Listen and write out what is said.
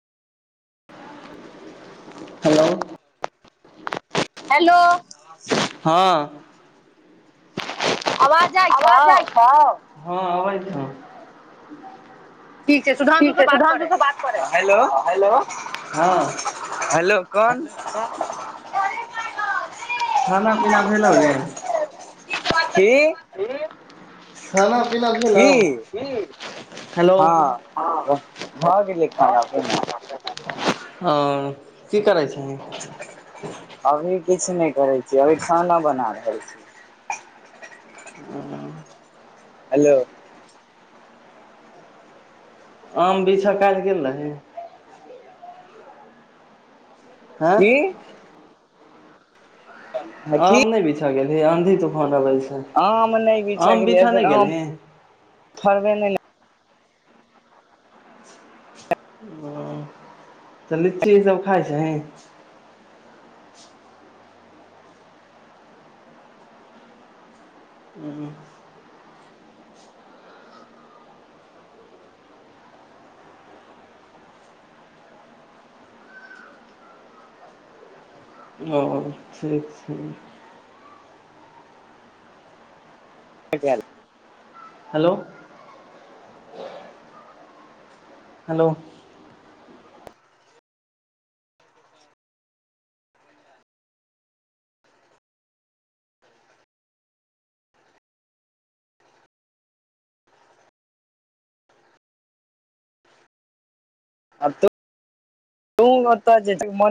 hello hello हँ आवाज जाइ छौ आवाज जाइ हँ अबै छो ठीक छै सुधांशु ठीक छै बात सुधांशु करै से बात करै हेलो हेलो हँ हेलो कोन हेलो [inaudible] भेल ल ओै [inaudible] की खाना पीना की भेलौ की हेलो हँ हाँ भऽ गेलै खाना पीना हँ की करै छींन अभी किछु नहि करै छियै अभी खाना बना रहल छी [unintelligible] [inaudible] हेलो आम बिछअ काल्हि गेल रहिंन हँ की आम की नहि बिछ गेल हे आंधी तूफान आबल छै आम नहि बिछय आम गेलिए बिछऽ नहि फेर आम गेलही फड़बै नहि न हँ तऽ लीची इसभ खाइ छिहिं [unintelligible] ओ ठीक छै [unintelligible] हेलो हेलो [unintelligible]